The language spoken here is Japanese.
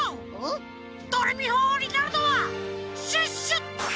ドレミファおうになるのはシュッシュ！